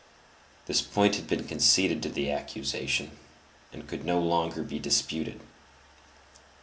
This point had been conceded to the accusation and could no longer be disputed.